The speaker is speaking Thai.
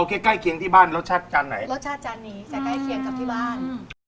เอาใกล้เคียงที่บ้านรสชาติจันนี้จะใกล้เคียงกับที่บ้าน